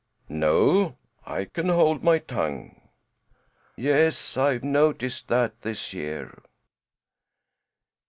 "No, I can hold my tongue." "Yes, I've noticed that this year."